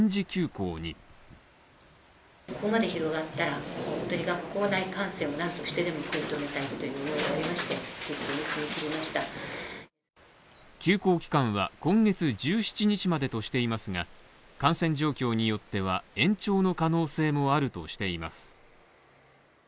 休校期間は今月１７日までとしていますが、感染状況によっては延長の可能性もあるとしています。